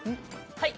はい。